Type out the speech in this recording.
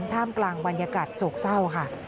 ท่ามกลางบรรยากาศโศกเศร้าค่ะ